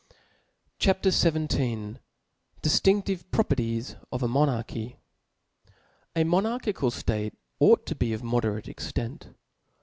CHAP. XVII. DiftinSlive Properties of a Monarchy. A Monarchical ftate ought to be of a moderate '^^ extent.